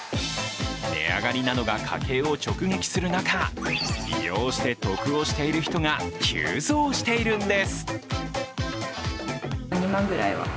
値上がりなどが家計を直撃する中、利用して得をしている人が急増しているんです。